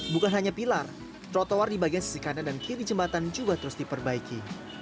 bukan hanya pilar trotoar di bagian sisi kanan dan kiri jembatan juga terus diperbaiki